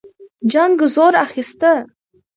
جنګ زور اخیسته.